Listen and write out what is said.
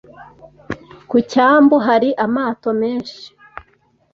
Ku cyambu hari amato menshi.